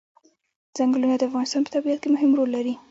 چنګلونه د افغانستان په طبیعت کې مهم رول لري.